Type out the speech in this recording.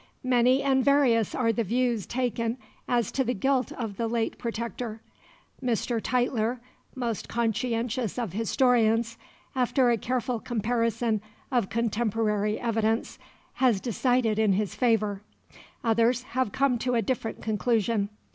Many and various are the views taken as to the guilt of the late Protector. Mr. Tytler, most conscientious of historians, after a careful comparison of contemporary evidence, has decided in his favour. Others have come to a different conclusion.